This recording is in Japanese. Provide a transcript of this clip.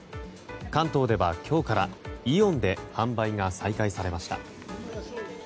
関東では今日からイオンで販売が再開されました。